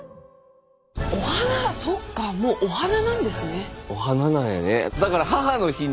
お花そっかもうお花なんやね。